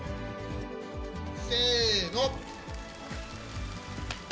せーの。